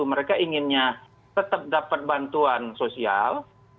mereka inginnya tetap dapat bantuan sosial